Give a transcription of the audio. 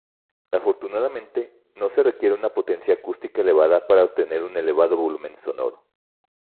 Afortunadamente, no se requiere una potencia acústica elevada para obtener un elevado volumen sonoro.